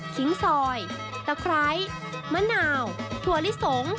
ขิงซอยตะไคร้มะนาวถั่วลิสง